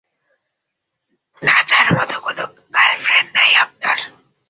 নাচার মতো কোনো গার্লফ্রেন্ড নেই আপনার?